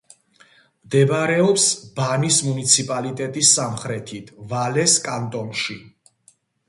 მდებარეობს ბანის მუნიციპალიტეტის სამხრეთით, ვალეს კანტონში.